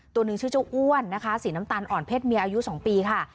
ตัวหนึ่งชื่อเจ้าอ้วนนะคะสีน้ำตาลอ่อนเพศเมียอายุ๒ปีค่ะ